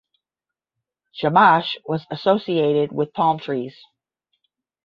Shamash was associated with palm trees.